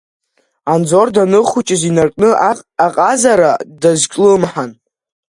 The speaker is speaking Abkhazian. Анзор даныхәыҷыз инаркны аҟазара дазҿлымҳан.